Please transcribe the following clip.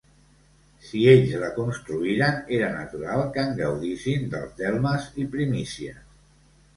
Si ells la construïren, era natural que en gaudissin dels delmes i primícies.